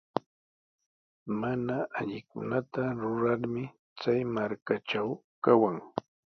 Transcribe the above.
Mana allikunata rurarmi chay markatraw kawan.